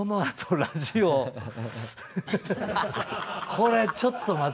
これちょっと待て。